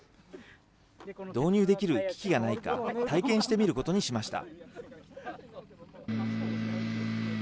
導入できる機器がないか、体験してみることにしました。